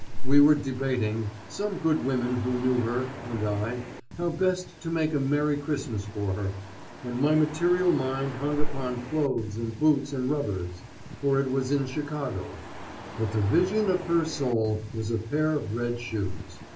We were debating, some good women who knew her and I, how best to make a merry Christmas for her, and my material mind hung upon clothes and boots and rubbers, for it was in Chicago. But the vision of her soul was a pair of red shoes!